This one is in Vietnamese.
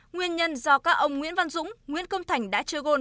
nguyên nhân do các ông nguyễn văn dũng nguyễn công thành đã chơi gôn